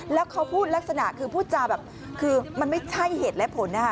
แล้วเขาพูดลักษณะคือพูดจาแบบคือมันไม่ใช่เหตุและผลนะคะ